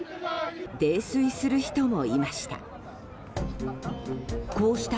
泥酔する人もいました。